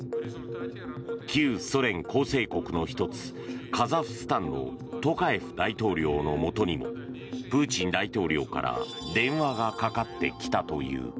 旧ソ連構成国の１つカザフスタンのトカエフ大統領のもとにもプーチン大統領から電話がかかってきたという。